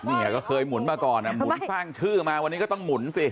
เนี่ยก็เคยหมุนมาก่อนหมุนสร้างชื่อมาวันนี้ก็ต้องหมุนสิ